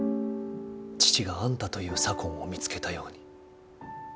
父があんたという左近を見つけたように。